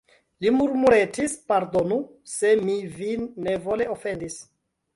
Li murmuretis: pardonu, se mi vin nevole ofendis.